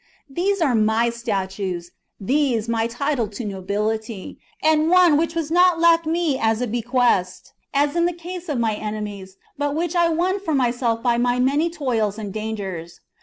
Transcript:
These are my statues, these my title to nobility, and one which was not left me as a bequest, as in the case of my enemies, but which I won for myself by my many toils and dangers.